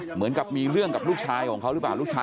เหมือนกับมีเรื่องกับลูกชายของเขาหรือเปล่าลูกชาย